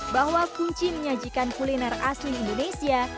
bahwa kunci menyajikan kuliner asli indonesia